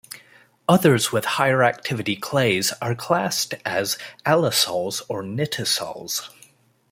Others with higher-activity clays are classed as alisols or nitisols.